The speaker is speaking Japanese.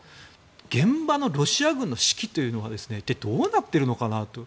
現場のロシア軍の士気というのは一体どうなっているのかなと。